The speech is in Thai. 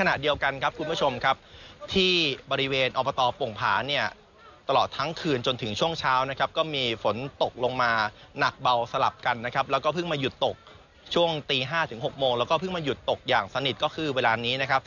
ขณะเดียวกันครับคุณผู้ชมครับที่บริเวณอบตโป่งผาเนี่ยตลอดทั้งคืนจนถึงช่วงเช้านะครับก็มีฝนตกลงมาหนักเบาสลับกันนะครับแล้วก็เพิ่งมาหยุดตกช่วงตี๕ถึง๖โมงแล้วก็เพิ่งมาหยุดตกอย่างสนิทก็คือเวลานี้นะครับ